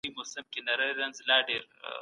د ځمکي پر مخ هر انسان د ژوند حق لري.